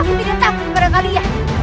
aku tidak tahu ini berapa lihat